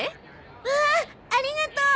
うわあありがとう。